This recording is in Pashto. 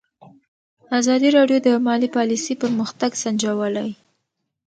ازادي راډیو د مالي پالیسي پرمختګ سنجولی.